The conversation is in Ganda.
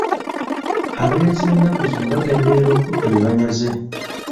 Abanyazi b'ennaku zino bagenderera okutta be banyaze.